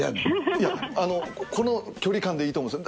いやあのこの距離感でいいと思うんです。